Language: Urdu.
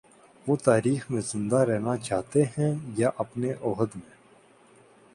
وہ تاریخ میں زندہ رہنا چاہتے ہیں یا اپنے عہد میں؟